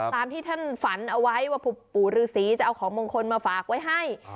ตามที่ท่านฝันเอาไว้ว่าปู่ฤษีจะเอาของมงคลมาฝากไว้ให้